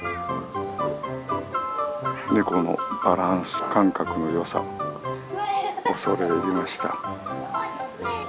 ネコのバランス感覚のよさ恐れ入りました。